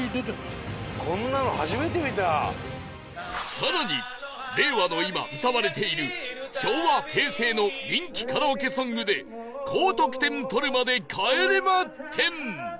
更に令和の今歌われている昭和平成の人気カラオケソングで高得点取るまで帰れま点！